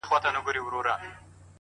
د ژوند ښکلا په ګټورتیا کې ده!